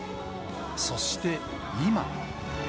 そして今。